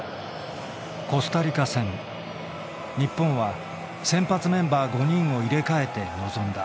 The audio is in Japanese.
コスタリカ戦日本は先発メンバー５人を入れ替えて臨んだ。